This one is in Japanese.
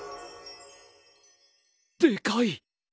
でかい！